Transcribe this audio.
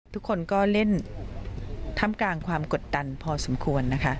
ทุกคนก็เล่นท่ามกลางความกดดันพอสมควรนะคะ